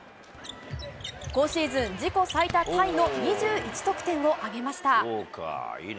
今シーズン自己最多タイの２１得点を挙げました。